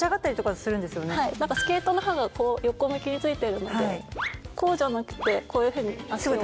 はいスケートの刃が横向きに付いてるのでこうじゃなくてこういうふうに。